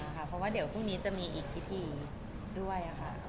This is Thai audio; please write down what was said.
เพราะว่าเดี๋ยวพรุ่งนี้จะมีอีกพิธีด้วยค่ะ